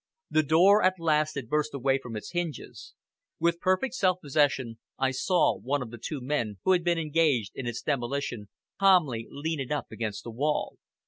The door at last had burst away from its hinges. With perfect self possession I saw one of the two men who had been engaged in its demolition calmly lean it up against the wall.